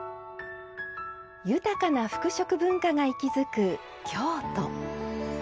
豊かな服飾文化が息づく京都。